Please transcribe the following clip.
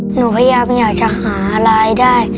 หนูพยายามอยากจะหารายได้